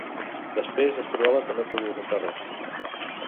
Després es trobava que no podia comprar res